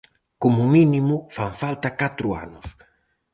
Como mínimo fan falta catro anos.